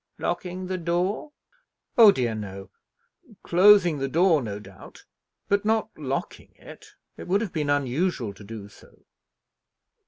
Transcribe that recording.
"Locking the door?" "Oh dear, no! Closing the door, no doubt, but not locking it. It would have been unusual to do so."